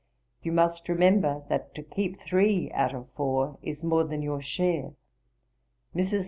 You must remember, that to keep three out of four is more than your share. Mrs.